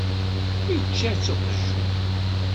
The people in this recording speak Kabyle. Ičča-tt uqjun.